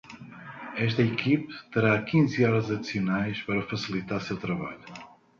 Esta equipe terá quinze horas adicionais para facilitar seu trabalho.